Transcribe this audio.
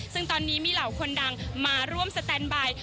ซึ่งตอนนี้มีเหล่าคนดังมาร่วมสแตนบาย